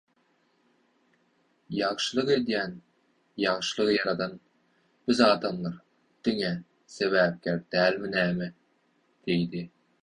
Ol: «Ýagşylyk edýän, ýagşylygy Ýaradan, biz adamlar diňe sebäpkär dälmi näme?» diýdi.